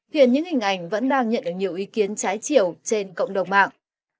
hiện những hình ảnh vẫn đang nhận được nhiều ý kiến trái chiều trên cộng đồng mạng